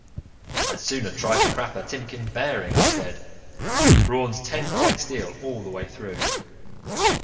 "I'd sooner try to crack a Timkin bearing," I said. "Braun's ten point steel all the way through."